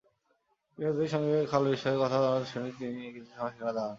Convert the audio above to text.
কৃষকদের সঙ্গে খাল বিষয়ে কথা হচ্ছে শুনেই কিছু সময় সেখানে দাঁড়ালেন।